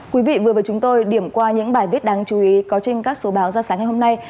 quý vị vừa với chúng tôi điểm qua những bài viết đáng chú ý có trên các số báo ra sáng ngày hôm nay